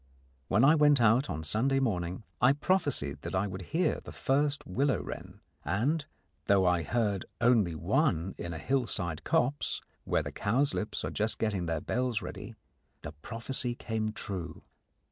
When I went out on Sunday morning, I prophesied that I would hear the first willow wren, and, though I heard only one in a hill side copse where the cowslips are just getting their bells ready, the prophecy came true.